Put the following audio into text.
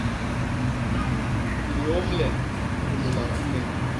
Liôm len, u lôlak i ñgeñ!